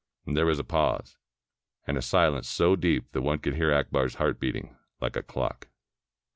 There was a pause, and a silence so deep that one could hear Akbar's heart beating, like a clock.